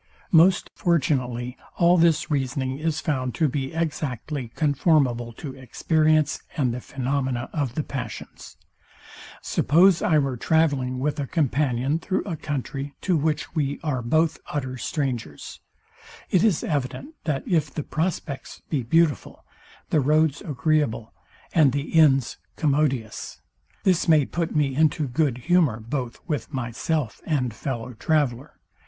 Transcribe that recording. Most fortunately all this reasoning is found to be exactly conformable to experience, and the phaenomena of the passions. Suppose I were travelling with a companion through a country, to which we are both utter strangers; it is evident, that if the prospects be beautiful, the roads agreeable, and the inns commodious, this may put me into good humour both with myself and fellow traveller.